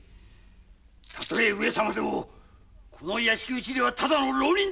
たとえ上様でもこの屋敷内ではただの浪人！